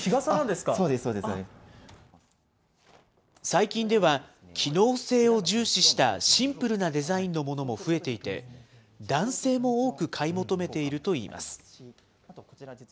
最近では、機能性を重視したシンプルなデザインのものも増えていて、男性も多く買い求めているといいます。